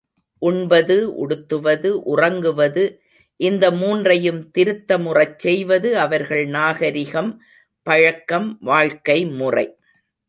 உண்பது, உடுத்துவது, உறங்குவது இந்த மூன்றையும் திருத்தமுறச் செய்வது அவர்கள் நாகரிகம் பழக்கம் வாழ்க்கைமுறை.